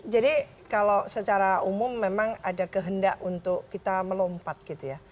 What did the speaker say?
jadi kalau secara umum memang ada kehendak untuk kita melompat gitu ya